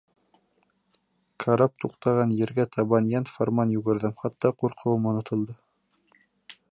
Карап туҡтаған ергә табан йән-фарман йүгерҙем, хатта ҡурҡыуым онотолдо.